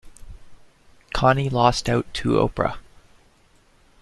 Connie lost out to Oprah.